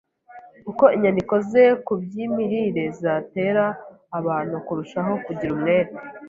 uko inyandiko ze ku by’imirire zatera abantu kurushaho kugira umwete